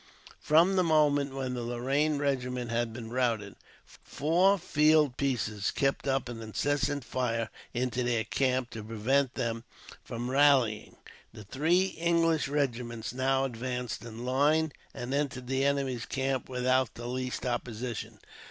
From the moment when the Lorraine regiment had been routed, four field pieces kept up an incessant fire into their camp, to prevent them from rallying. The three English regiments now advanced in line, and entered the enemy's camp without the least opposition.